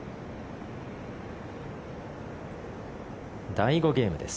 第５ゲームです。